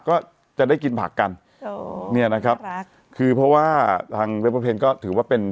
ก็จะได้กินผักกันเนี่ยนะครับคือเพราะว่าทางเลเวอร์เพลงก็ถือว่าเป็น